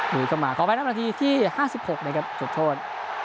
มีเข้ามาขออภัยครับนาทีที่๕๖นะครับจุดโทษ